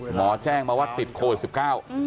หมอแจ้งมาว่าติดโคล๑๙